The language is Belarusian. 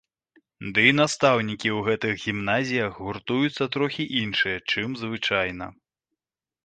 Дый настаўнікі ў гэтых гімназіях гуртуюцца трохі іншыя, чым звычайна.